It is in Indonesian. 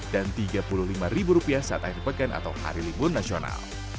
dan tiga puluh lima rupiah saat akhir pekan atau hari libur nasional